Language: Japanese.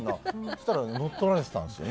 そしたら乗っ取られてたんですよ。